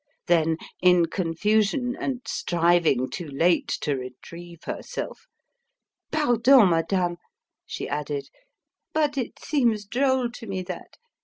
Then, in confusion, and striving, too late, to retrieve herself "Pardon, madame," she added, "but it seems droll to me, that.